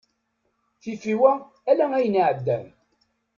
Tifiwa ala ayen iεeddan.